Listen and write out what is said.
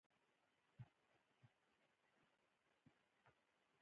رخچينه پر سر که.